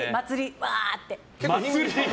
うわー！って。